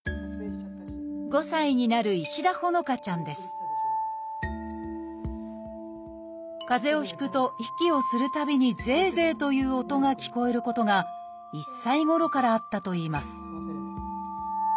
５歳になる石田帆乃花ちゃんですかぜをひくと息をするたびにゼーゼーという音が聞こえることが１歳ごろからあったといいます